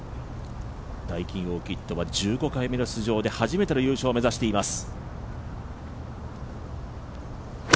ダイキンオーキッドは１５回目の出場で初めて優勝を目指しています。